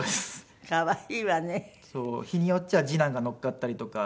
日によっちゃ次男が乗っかったりとか。